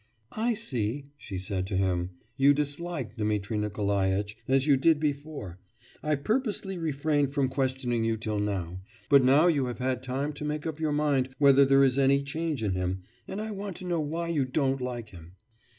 'I see,' she said to him, 'you dislike Dmitri Nikolaitch, as you did before. I purposely refrained from questioning you till now; but now you have had time to make up your mind whether there is any change in him, and I want to know why you don't like him.